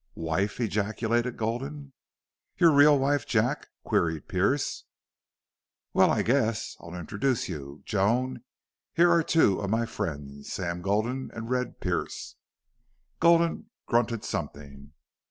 "Wife!" ejaculated Gulden. "Your real wife, Jack?" queried Pearce. "Well, I guess, I'll introduce you... Joan, here are two of my friends Sam Gulden and Red Pearce." Gulden grunted something.